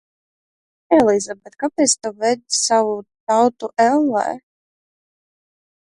Elizabet, kāpēc tu ved savu tautu ellē?